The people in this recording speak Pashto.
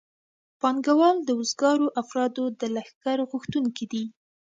پانګوال د وزګارو افرادو د لښکر غوښتونکي دي